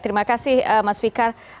terima kasih mas fikar